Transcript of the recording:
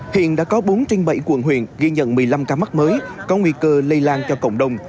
hiện đã có bốn trên bảy quận huyện ghi nhận một mươi năm ca mắc mới có nguy cơ lây lan cho cộng đồng